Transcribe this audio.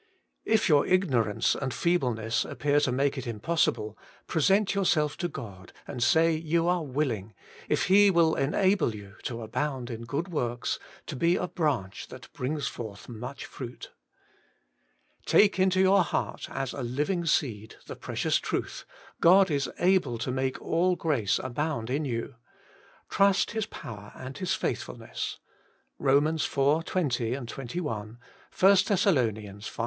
If your ignorance and feebleness appear to make it impossible, present yourself to God, and say you are willing, if He will enable you to abound in good works, to be a branch that brings forth much fruit. 3. Take into your heart, as a living seed, the precious truth : God is able to make all grace abound in you. Trust His power and His faith fulness (Rom. iv. 20, 21 ; i Thess. v.